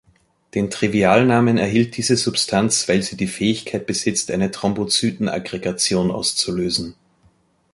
Den Trivialnamen erhielt diese Substanz, weil sie die Fähigkeit besitzt eine Thrombozytenaggregation auszulösen.